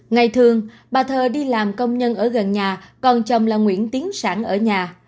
ngày thường bà thơ đi làm công nhân ở gần nhà còn chồng là nguyễn tiến sản ở nhà